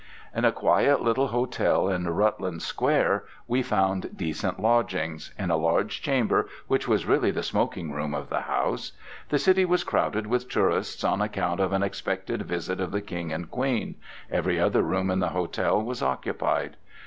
In a quiet little hotel in Rutland Square we found decent lodging, in a large chamber which was really the smoking room of the house. The city was crowded with tourists on account of an expected visit of the King and Queen; every other room in the hotel was occupied.